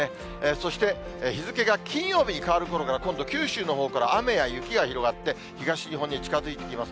そして日付が金曜日に変わるころから今度九州のほうから雨や雪が広がって、東日本に近づいてきます。